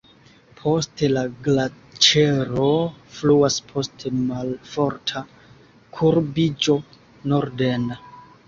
Poste la glaĉero fluas post malforta kurbiĝo norden.